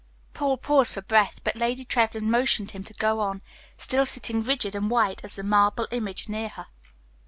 Paul paused for breath, but Lady Trevlyn motioned him to go on, still sitting rigid and white as the marble image near her.